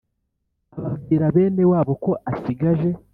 ababwira benewabo ko asigaje